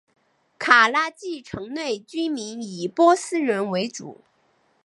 卡拉季城内居民以波斯人为主。